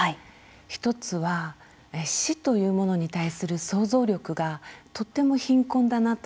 １つは、死というものに対する想像力がとっても貧困だなと。